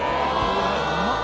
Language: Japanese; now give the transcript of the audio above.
うまっ。